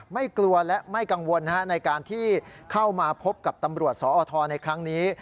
ไม่กลัวและไม่กังวลในการที่เข้ามาพบกับตำรวจสอทในครั้งนี้